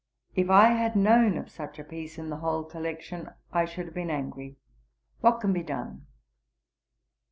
If I had known of such a piece in the whole collection, I should have been angry. What can be done?'